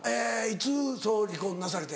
いつ離婚なされて？